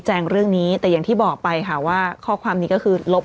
เรื่องนี้แต่อย่างที่บอกไปค่ะว่าข้อความนี้ก็คือลบ